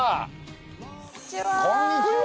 こんにちは。